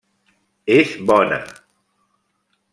És bona!